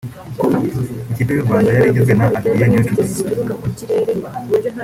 Ikipe y’U Rwanda yari igizwe na Adrien Niyonshuti